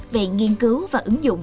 về nghiên cứu và ứng dụng